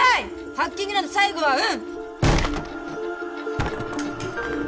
ハッキングなんて最後は運！